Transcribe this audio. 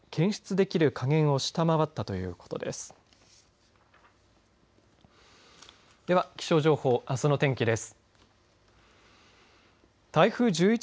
では気象情報あすの天気です。